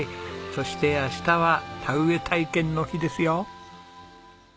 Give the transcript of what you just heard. そして明日は田植え体験の日ですよ。